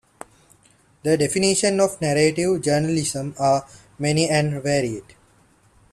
The definitions of narrative journalism are many and varied.